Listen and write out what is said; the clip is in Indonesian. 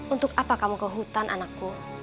untuk apa kamu ke hutan anakku